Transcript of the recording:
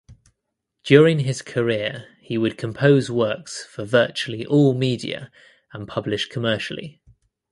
During his career he would compose works for virtually all media and publish commercially.